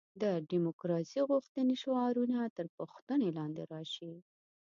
د دیموکراسي غوښتنې شعارونه تر پوښتنې لاندې راشي.